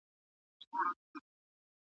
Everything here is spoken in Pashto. نن ورځ تر پرون ښه ده.